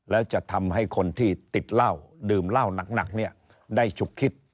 แล้วจะทำให้คนที่ติดเหล้าดื่มเหล้าหนักเนี่ยได้ฉุกคิด